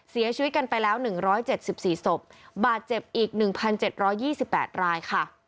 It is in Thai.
เสียชีวิตกันไปแล้ว๑๗๔ศพบาดเจ็บอีก๑๗๒๘รายค่ะ